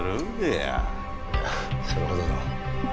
いやそれほどでも。